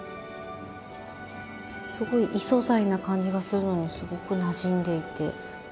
すごい異素材な感じがするのにすごくなじんでいて。